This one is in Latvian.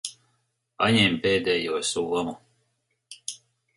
Paņem pēdējo somu.